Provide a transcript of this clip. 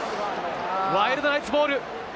ワイルドナイツボール。